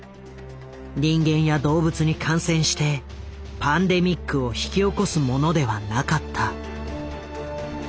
人間や動物に感染してパンデミックを引き起こすものではなかった。